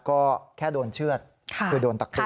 ก็แค่โดนเชือดคาดโทษไว้เป็นสาวส